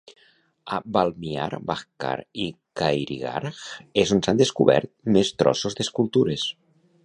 A Balmiar-Barkhar i Khairigarh és on s'han descobert més trossos d'escultures.